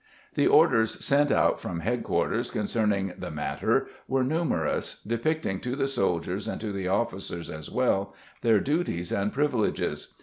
The orders sent out from headquarters concerning the matter were numerous depicting to the soldiers and to the officers as well, their duties and privileges.